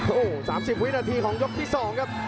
โอ้สามสิบวินาทีของยกที่สองครับ